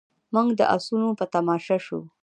موږ د اسونو په تماشه شوو.